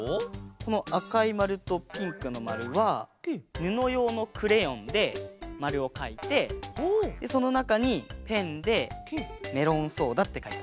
このあかいまるとピンクのまるはぬのようのクレヨンでまるをかいてでそのなかにペンで「メロンソーダ」ってかいた。